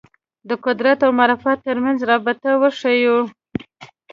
د قدرت او معرفت تر منځ رابطه وښييو